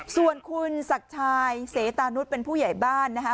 ส่วนคุณศักดิ์ชายเสตานุษย์เป็นผู้ใหญ่บ้านนะคะ